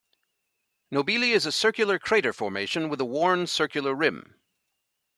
Nobili is a circular crater formation with a worn, circular rim.